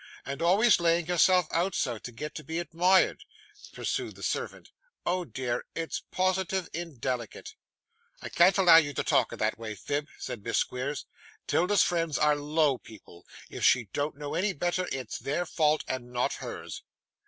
'And always laying herself out so, to get to be admired,' pursued the servant. 'Oh, dear! It's positive indelicate.' 'I can't allow you to talk in that way, Phib,' said Miss Squeers. ''Tilda's friends are low people, and if she don't know any better, it's their fault, and not hers.